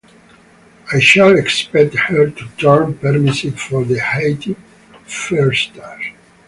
I shall expect her to turn permissive for her eighty-firster.